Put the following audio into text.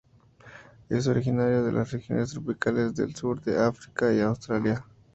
Es originario de las regiones tropicales del sur de África y de Australia.